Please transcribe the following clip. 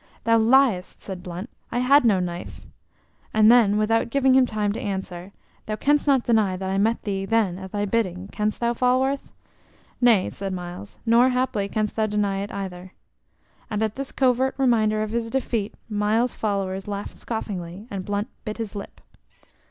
"Thou liest!" said Blunt. "I had no knife." And then, without giving time to answer, "Thou canst not deny that I met thee then at thy bidding, canst thou, Falworth?" "Nay," said Myles, "nor haply canst thou deny it either." And at this covert reminder of his defeat Myles's followers laughed scoffingly and Blunt bit his lip.